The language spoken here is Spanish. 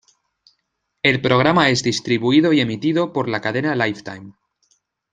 El programa es distribuido y emitido por la cadena Lifetime.